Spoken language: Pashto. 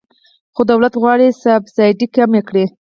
خو دولت غواړي سبسایډي کمه کړي.